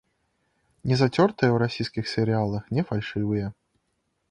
Не зацёртыя ў расійскіх серыялах, не фальшывыя.